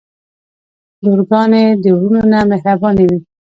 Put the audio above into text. لورګانې د وروڼه نه مهربانې وی.